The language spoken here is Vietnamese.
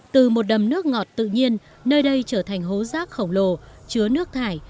từ một đầm nước ngọt tự nhiên nơi đây trở thành hố rác khổng lồ chứa nước thải